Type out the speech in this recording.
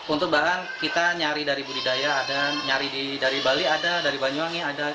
untuk bahan kita nyari dari budidaya ada nyari dari bali ada dari banyuwangi ada